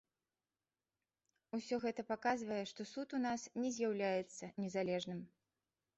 Усё гэта паказвае, што суд у нас не з'яўляецца незалежным.